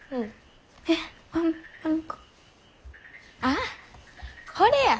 あっこれや。